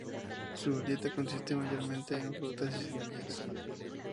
Su dieta consiste mayormente en frutas y semillas.